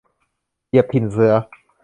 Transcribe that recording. เหยียบถิ่นเสือ